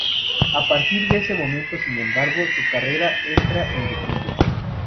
A partir de ese momento, sin embargo, su carrera entra en declive.